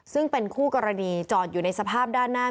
ซึ่งเป็นคู่กรณีจอดอยู่ในสภาพด้านหน้า